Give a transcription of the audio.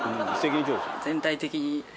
全体的に。